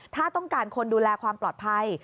ถ้าต้องการคนดูแลความปลอดภัย